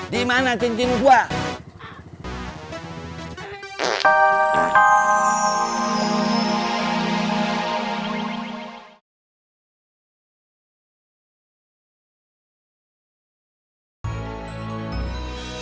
dimana cintin lu buah